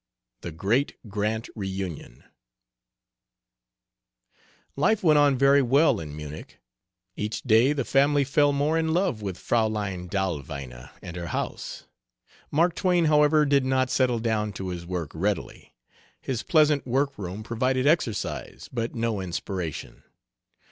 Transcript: THE GREAT GRANT REUNION Life went on very well in Munich. Each day the family fell more in love with Fraulein Dahlweiner and her house. Mark Twain, however, did not settle down to his work readily. His "pleasant work room" provided exercise, but no inspiration.